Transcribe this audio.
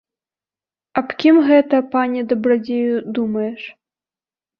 Аб кім гэта, пане дабрадзею, думаеш?